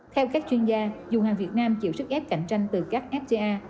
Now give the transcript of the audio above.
theo các chuyên gia dù hàng việt nam chịu sức ép cạnh tranh từ các fta